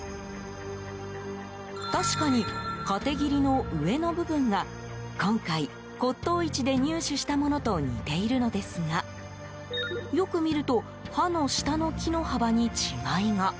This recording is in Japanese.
確かに、かて切りの上の部分が今回、骨董市で入手したものと似ているのですがよく見ると、刃の下の木の幅に違いが。